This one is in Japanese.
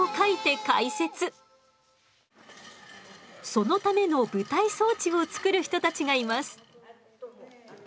そのための舞台装置を作る人たちがいます。